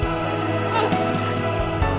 kamu mau bikin asgara blunt